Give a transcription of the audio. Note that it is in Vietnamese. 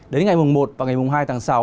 đến ngày một và ngày hai tháng sáu